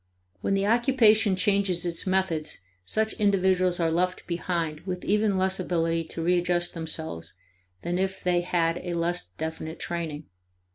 When the occupation changes its methods, such individuals are left behind with even less ability to readjust themselves than if they had a less definite training.